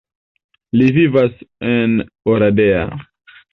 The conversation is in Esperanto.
Li vivas en Oradea.